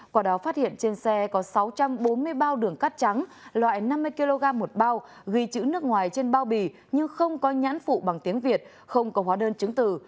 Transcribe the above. quả đó phát hiện trên xe có sáu trăm bốn mươi bao đường cát trắng loại năm mươi kg một bao ghi chữ nước ngoài trên bao bì nhưng không có nhãn phụ bằng tiếng việt không có hóa đơn chứng từ